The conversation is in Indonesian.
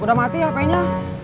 udah mati hpnya